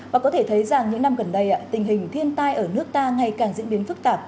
và có thể thấy rằng những năm gần đây tình hình thiên tai ở nước ta ngày càng diễn biến phức tạp